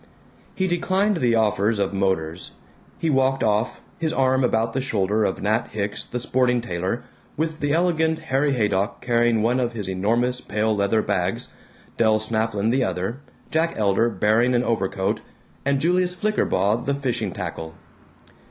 He declined the offers of motors; he walked off, his arm about the shoulder of Nat Hicks the sporting tailor, with the elegant Harry Haydock carrying one of his enormous pale leather bags, Del Snafflin the other, Jack Elder bearing an overcoat, and Julius Flickerbaugh the fishing tackle.